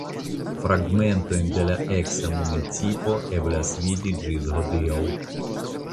Fragmentojn de la eksa municipo eblas vidi ĝis hodiaŭ.